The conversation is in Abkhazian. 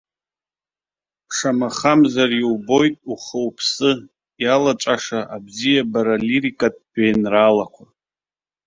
Шамахамзар иубоит ухыуԥсы иалаҵәаша абзиабара-лирикатә жәеинраалақәа.